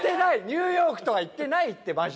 ニューヨークとは言ってないってマジで。